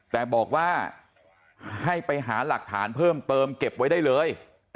แต่บอกว่าให้ไปหาหลักฐานเพิ่มเติมเก็บไว้ได้เลย